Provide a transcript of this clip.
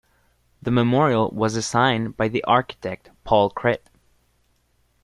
The memorial was designed by architect Paul Cret.